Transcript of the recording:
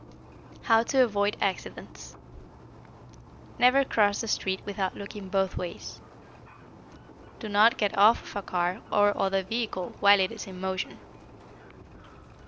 How to Avoid Accidents Never cross the street without looking both ways. Do not get off of a car or other vehicle while it is in motion.